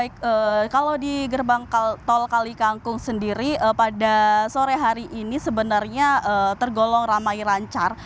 baik kalau di gerbang tol kali kangkung sendiri pada sore hari ini sebenarnya tergolong ramai lancar